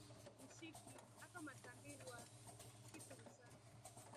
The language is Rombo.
Mshiki akamta mbirwa kitumsa.